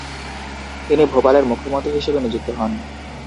তিনি ভোপালের মুখ্যমন্ত্রী হিসেবে নিযুক্ত হন।